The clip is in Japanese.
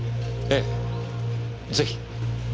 ええぜひ。